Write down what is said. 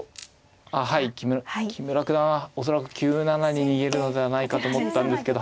あはい木村九段は恐らく９七に逃げるのではないかと思ったんですけど